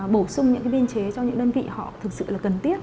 bổ sung những biên chế cho những đơn vị họ thực sự cần tiết